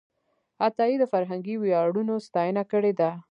عطایي د فرهنګي ویاړونو ستاینه کړې ده.